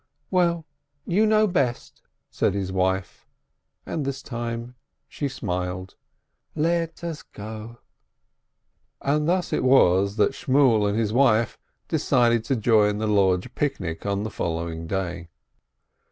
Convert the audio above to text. "Well, you know best!" said his wife, and this time she smiled. "Let us go !" And thus it was that Shmuel and his wife decided to join the lodge picnic on the following day.